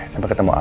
sampai ketemu al